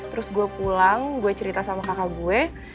terus gue pulang gue cerita sama kakak gue